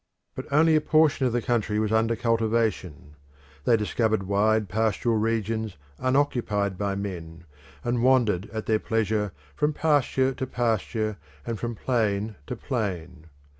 But only a portion of the country was under cultivation: they discovered wide pastoral regions unoccupied by men, and wandered at their pleasure from pasture to pasture and from plain to plain.